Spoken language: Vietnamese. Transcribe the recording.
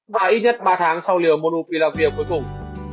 và ít nhất ba tháng sau liều monopilavir cuối cùng